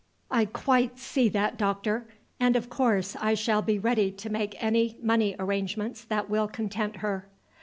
"I quite see that, doctor, and of course I shall be ready to make any money arrangements that will content her."